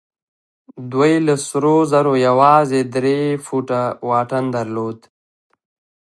دوی له سرو زرو يوازې درې فوټه واټن درلود.